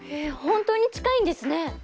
本当に近いんですね！